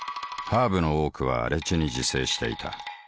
ハーブの多くは荒地に自生していた。